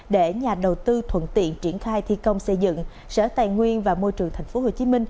để nhà đầu tư thuận tiện triển khai thi công xây dựng sở tài nguyên và môi trường tp hcm